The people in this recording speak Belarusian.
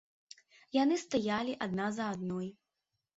Яны стаялі адна за адной.